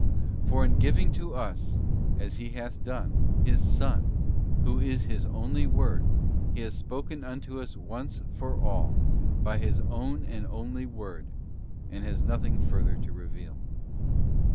For in giving to us, as He hath done, His Son, who is His only Word, He has spoken unto us once for all by His own and only Word, and has nothing further to reveal.